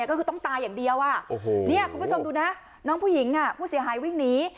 ก็คือต้องตายอย่างเดียวคุณผู้ชมดูนะน้องผู้หญิงผู้เสียหายวิ่งหนี